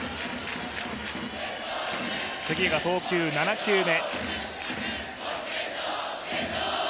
次が投球７球目。